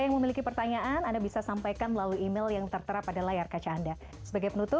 gapai kemuliaan akan kembali setelah jeda berikut